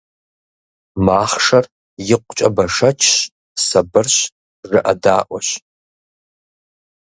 Махъшэр икъукӀэ бэшэчщ, сабырщ, жыӀэдаӀуэщ.